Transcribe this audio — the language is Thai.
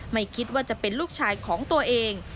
ไม่คิดว่าจะเป็นลูกชายของตัวเอง